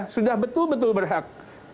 sudah betul betul berhak